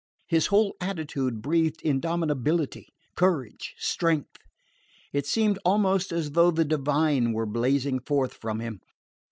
His whole attitude breathed indomitability, courage, strength. It seemed almost as though the divine were blazing forth from him.